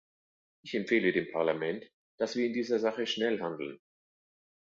Ich empfehle dem Parlament, dass wir in dieser Sache schnell handeln.